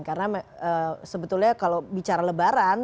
karena sebetulnya kalau bicara lebaran